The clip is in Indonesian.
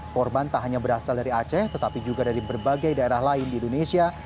korban tak hanya berasal dari aceh tetapi juga dari berbagai daerah lain di indonesia